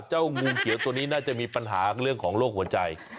งูเขียวตัวนี้น่าจะมีปัญหาเรื่องของโรคหัวใจ